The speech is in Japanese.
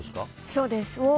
そうです。